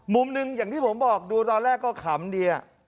มุมหนึ่งอย่างที่ผมบอกดูตอนแรกก็ขำดี